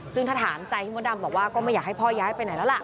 ซึ่งถ้าถามใจพี่มดดำบอกว่าก็ไม่อยากให้พ่อย้ายไปไหนแล้วล่ะ